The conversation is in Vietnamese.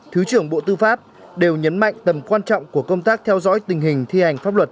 thứ trưởng bộ tư pháp đều nhấn mạnh tầm quan trọng của công tác theo dõi tình hình thi hành pháp luật